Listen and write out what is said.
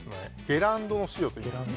ゲランドの塩といいます。